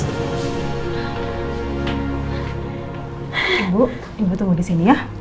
ibu ibu tunggu di sini ya